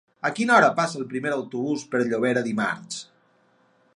A quina hora passa el primer autobús per Llobera dimarts?